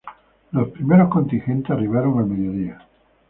Los primeros contingentes arribaron al mediodía.